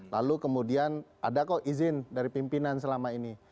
lalu kemudian ada kok izin dari pimpinan selama ini